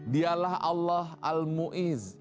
dialah allah al mu'izz